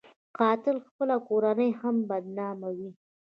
قاتل خپله کورنۍ هم بدناموي